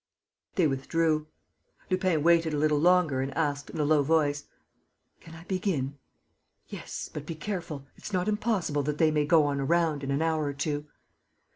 They withdrew. Lupin waited a little longer and asked, in a low voice: "Can I begin?" "Yes, but be careful. It's not impossible that they may go on a round in an hour or two."